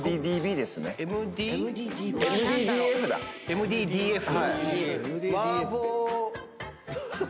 ＭＢＤＦ？